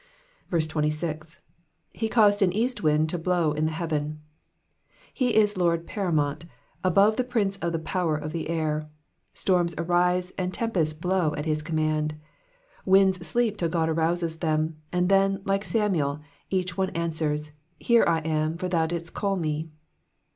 26. ''"'He caused an eoMt wind to blow in the beaten,'*'' He is Lord Paramount, above the prince of the }>ower of the air : storms arise and tempests blow at. his command. Winds sleep till God Hrouses them, and then, like Samuel, each one answers, Here am I, for thou didst call me.''